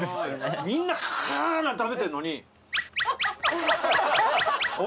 みんなかーって食べてるのに。